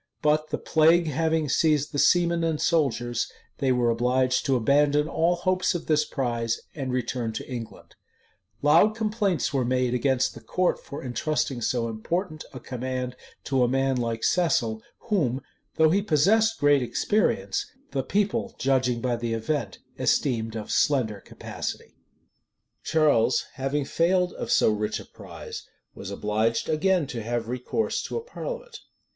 But the plague having seized the seamen and soldiers, they were obliged to abandon all hopes of this prize, and return to England. Loud complaints were made against the court for intrusting so important a command to a man like Cecil, whom, though he possessed great experience, the people, judging by the event, esteemed of slender capacity,[] {1626.} Charles, having failed of so rich a prize, was obliged again to have recourse to a parliament.